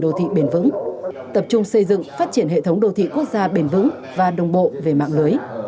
đô thị bền vững tập trung xây dựng phát triển hệ thống đô thị quốc gia bền vững và đồng bộ về mạng lưới